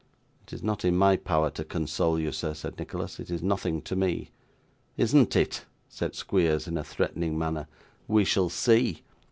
'It is not in my power to console you, sir,' said Nicholas. 'It is nothing to me.' 'Isn't it?' said Squeers in a threatening manner. 'We shall see!